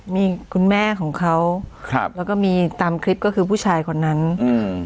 มีคุณแม่ของเขาครับแล้วก็มีตามคลิปก็คือผู้ชายคนนั้นอืม